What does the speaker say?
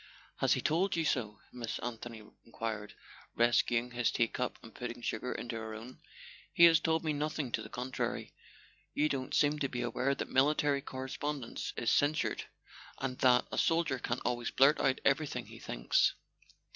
"Has he told you so?" Miss Anthony enquired, rescuing his teacup and putting sugar into her own. "He has told me nothing to the contrary. You don't seem to be aware that military correspondence is cen A SON AT THE FRONT sored, and that a soldier can't always blurt out every¬ thing he thinks."